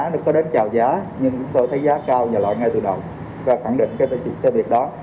hcdc không có đánh trào giá nhưng tôi thấy giá cao và loại ngay từ đầu và khẳng định cái việc đó